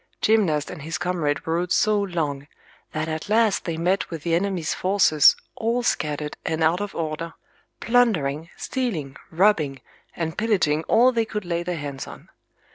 Gymnast and his comrade rode so long, that at last they met with the enemy's forces, all scattered and out of order, plundering, stealing, robbing, and pillaging all they could lay their hands on.